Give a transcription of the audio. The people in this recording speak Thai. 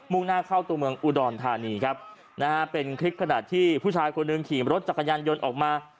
่งหน้าเข้าตัวเมืองอุดรธานีครับนะฮะเป็นคลิปขณะที่ผู้ชายคนหนึ่งขี่รถจักรยานยนต์ออกมา